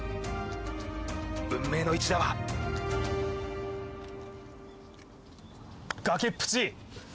運命の一打は崖っぷち